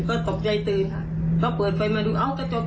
ว่าก็ตกใจตื่นค่ะเขาก็เปิดไฟมาดูครับ